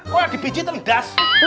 kok yang dibiji teredas